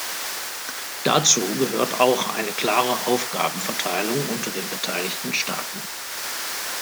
Dazu gehört auch eine klare Aufgabenverteilung unter den beteiligten Staaten.